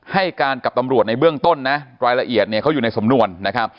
ให้การกับตำรวจในเบื้องต้นนะรายละเอียดเนี่ยเขาอยู่ในสำนวนนะครับ